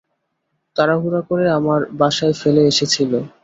তাড়াহুড়া করে আমার বাসায়ফেলে এসেছিলি।